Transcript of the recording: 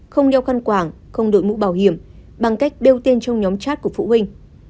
không đeo khăn quảng không đội mũ bảo hiểm bằng cách bêu tên trong nhóm chát của phụ huynh